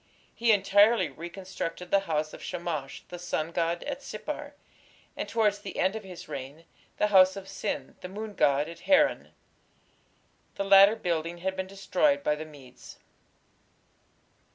He entirely reconstructed the house of Shamash, the sun god, at Sippar, and, towards the end of his reign, the house of Sin, the moon god, at Haran. The latter building had been destroyed by the Medes.